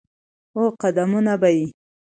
او قدمونه به یې،